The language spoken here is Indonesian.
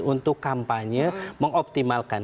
untuk kampanye mengoptimalkan